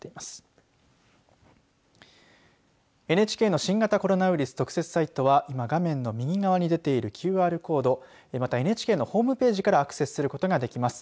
ＮＨＫの新型コロナウイルス特設サイトは今画面の右側に出ているＱＲコードまたＮＨＫのホームページからアクセスすることができます。